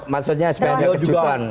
maksudnya spaniak kejutan